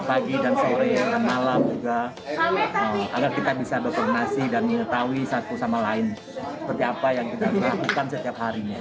agar kita bisa dokonasi dan mengetahui satu sama lain seperti apa yang kita lakukan setiap harinya